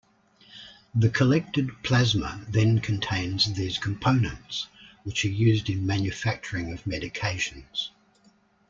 The collected plasma then contains these components, which are used in manufacturing of medications.